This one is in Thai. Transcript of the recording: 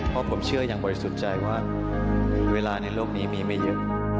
เพราะผมเชื่อยังบริสุทธิ์ใจว่าเวลาในโลกนี้มีไม่เยอะ